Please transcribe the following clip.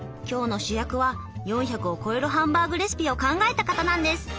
今日の主役は４００を超えるハンバーグレシピを考えた方なんです！